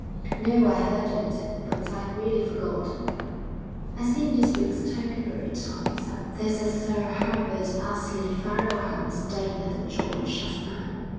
'No; I heard it, but I've really forgotten.' 'I see in this week's Tercanbury Times that there's a Sir Herbert Ously Farrowham staying at the "George" just now.'